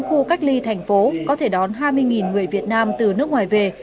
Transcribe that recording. khu cách ly thành phố có thể đón hai mươi người việt nam từ nước ngoài về